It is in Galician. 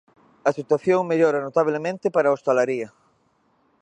A situación mellora notablemente para a hostalería.